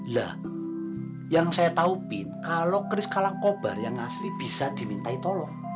lah yang saya tahu pin kalau keris kalang kobar yang asli bisa dimintai tolong